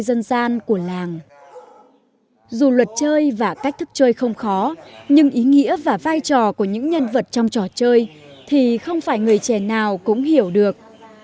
dù luật chơi và cách thức chơi không khó nhưng ý nghĩa và vai trò của những nhân vật trong trò chơi thì không phải người trẻ nào cũng hiểu được